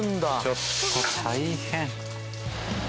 ちょっと大変。